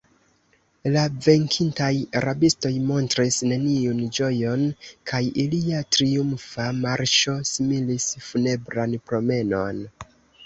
La venkintaj rabistoj montris neniun ĝojon, kaj ilia triumfa marŝo similis funebran promenon.